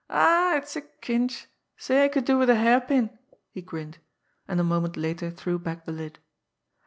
"Aw, it's a cinch! Say, I could do it wid a hairpin!" he grinned and a moment later threw back the lid.